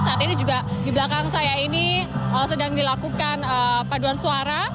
saat ini juga di belakang saya ini sedang dilakukan paduan suara